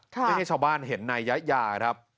เพื่อจะเห็นนายยะยา